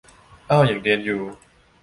เอ้า ยังเรียนอยู่